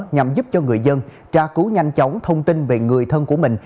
nhằm giúp cho người dân tra cứu nhanh chóng thông tin về người thân của mình